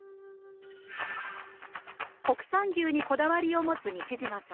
国産牛にこだわりを持つ西島さん。